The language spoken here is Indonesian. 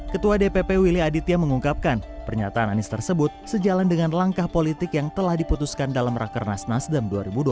ketua dpp willy aditya mengungkapkan pernyataan anies tersebut sejalan dengan langkah politik yang telah diputuskan dalam rakernas nasdem dua ribu dua puluh